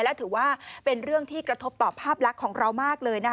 และถือว่าเป็นเรื่องที่กระทบต่อภาพลักษณ์ของเรามากเลยนะคะ